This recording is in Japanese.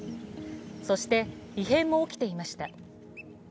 そして、異変も起きていました。